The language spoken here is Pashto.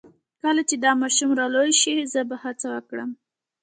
کله چې دا ماشوم را لوی شي زه به هڅه وکړم